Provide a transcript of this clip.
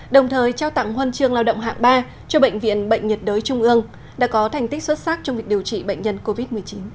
đồng thời trao tặng huân chương lao động hạng ba cho bệnh viện bệnh nhiệt đới trung ương đã có thành tích xuất sắc trong việc điều trị bệnh nhân covid một mươi chín